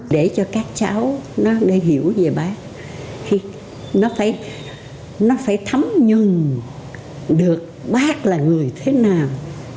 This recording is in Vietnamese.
để cho các cháu nó hiểu về bác nó phải thấm nhuận được bác là người thế nào